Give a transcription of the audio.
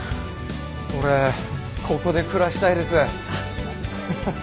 俺ここで暮らしたいです。